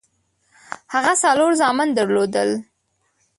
هغه څلور زامن درلودل.